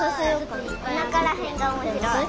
おなからへんがおもしろい。